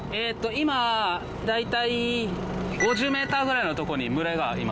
今大体５０ｍぐらいのとこに群れがいます。